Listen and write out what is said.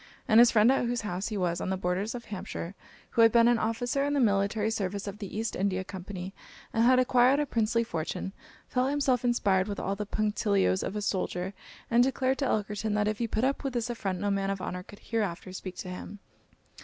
And his friend at whose house he was, on the borders of Hampshire, who had been an officer in the military service of the East India Company, and had acquired a princely fortune, felt himself inspired with all the punctilios of a soldier, and declared to Elkerton that if he put up with this affront no man of honour could hereafter speak to him.